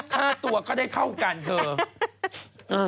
ค่าตัวก็ได้เท่ากันเถอะ